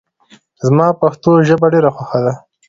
زما پښتو ژبه ډېره خوښه ده